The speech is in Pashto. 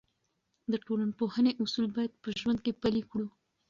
د ټولنپوهنې اصول باید په ژوند کې پلي کړو.